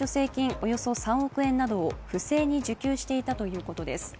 およそ３億円などを不正に受給していたということです。